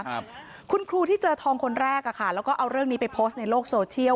ครับคุณครูที่เจอทองคนแรกอ่ะค่ะแล้วก็เอาเรื่องนี้ไปโพสต์ในโลกโซเชียล